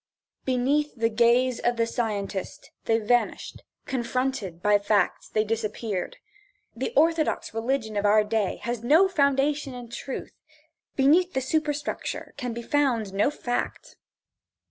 Beneath the gaze of the scientist they vanished, confronted by facts they disappeared. The orthodox religion of our day has no foundation in truth. Beneath the superstructure can be found no fact.